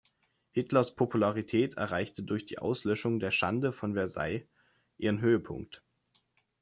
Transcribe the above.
Hitlers Popularität erreichte durch die „Auslöschung der Schande von Versailles“ ihren Höhepunkt.